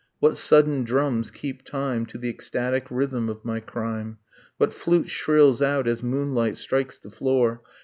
What sudden drums keep time To the ecstatic rhythm of my crime? What flute shrills out as moonlight strikes the floor?